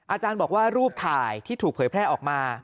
อาจารย์บอกว่ารูปถ่ายที่ถูกเผยแพร่ออกมา